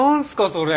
それ。